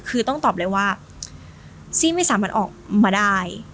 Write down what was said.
คือต้องตอบเลยว่าซี่ไม่สามารถออกมาได้